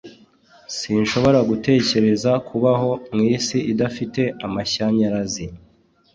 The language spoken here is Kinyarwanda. Sinshobora gutekereza kubaho mw'isi idafite amashanyarazi.